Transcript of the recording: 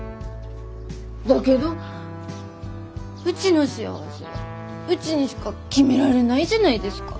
だけどうちの幸せはうちにしか決められないじゃないですか。